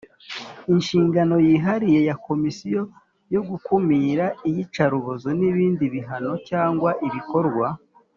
Inshingano yihariye ya Komisiyo yo gukumira iyicarubozo n ibindi bihano cyangwa ibikorwa